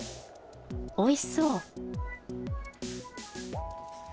おいしそう！